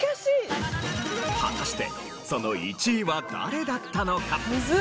果たしてその１位は誰だったのか？